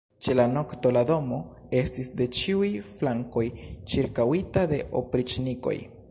Ĉe la nokto la domo estis de ĉiuj flankoj ĉirkaŭita de opriĉnikoj.